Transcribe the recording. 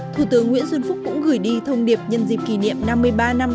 thủ tướng nguyễn xuân phúc cũng gửi đi thông điệp nhân dịp kỷ niệm năm mươi ba năm